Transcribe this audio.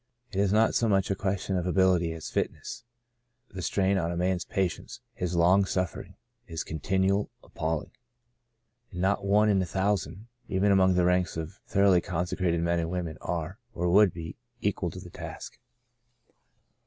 It is not so much a question of ability as fitness. The strain on a man's patience, — his long suffering, — is continual, appalling ; and not one in a thousand, even among the ranks of thoroughly consecrated men and women, are, or would be, equal to the task.